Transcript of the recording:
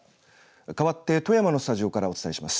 かわって富山のスタジオからお伝えします。